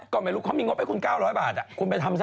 ก็ไม่รู้เขามีงบให้คุณ๙๐๐บาทคุณไปทำซะ